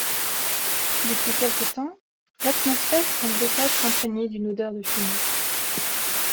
Depuis quelque temps, l’atmosphère semblait être imprégnée d’une odeur de fumée.